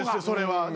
それは。